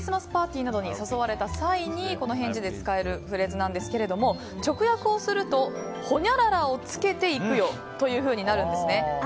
クリスマスパーティーなどに誘われた際にこの返事で使えるフレーズなんですけど直訳をするとほにゃららを着けて行くよとなるんですね。